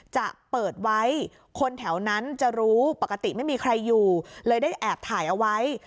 จะเปิดไว้คนแถวนั้นจะรู้ปกติไม่มีใครอยู่เลยได้แอบถ่ายเอาไว้